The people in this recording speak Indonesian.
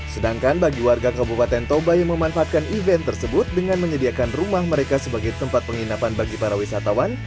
sedangkan bagi warga kabupaten toba yang memanfaatkan event tersebut dengan menyediakan rumah mereka sebagai tempat penginapan bagi para wisatawan